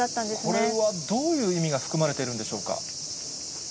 これはどういう意味が含まれているんでしょうか。